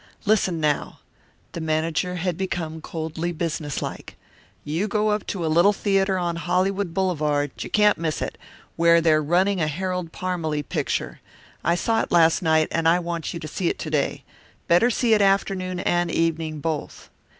Listen, now " The manager had become coldly businesslike. "You go up to a little theatre on Hollywood Boulevard you can't miss it where they're running a Harold Parmalee picture. I saw it last night and I want you to see it to day. Better see it afternoon and evening both."